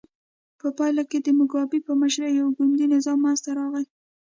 په پایله کې د موګابي په مشرۍ یو ګوندي نظام منځته راغی.